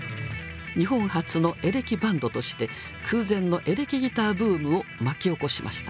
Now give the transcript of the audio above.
日本初のエレキバンドとして空前のエレキギターブームを巻き起こしました。